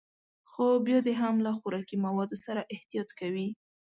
خو بيا دې هم له خوراکي موادو سره احتياط کوي.